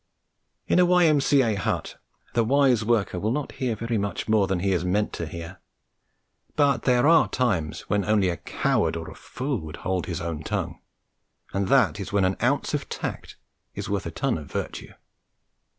In a Y.M.C.A. hut the wise worker will not hear very much more than he is meant to hear; but there are times when only a coward or a fool would hold his own tongue, and that is when an ounce of tact is worth a ton of virtue.